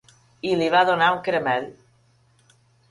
I li va donar un caramel.